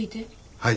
はい。